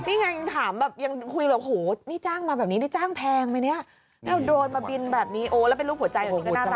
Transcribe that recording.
นี่ไงถามแบบยังคุยแบบโอ้โหนี่จ้างมาแบบนี้นี่จ้างแพงไหมเนี่ยโอ้โหโดรนมาบินแบบนี้โอ้แล้วเป็นรูปหัวใจโอ้โหหัวใจ